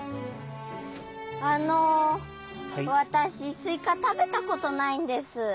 あのわたしすいかたべたことないんです。